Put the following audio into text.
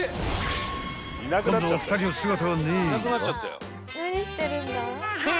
［今度は２人の姿がねえが］